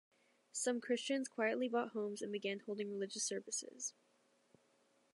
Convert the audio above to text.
Some Christians quietly bought homes and began holding religious services.